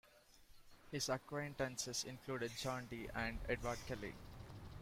His acquaintances included John Dee and Edward Kelley.